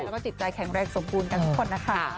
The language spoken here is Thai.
แล้วก็จิตใจแข็งแรงสมบูรณ์กันทุกคนนะคะ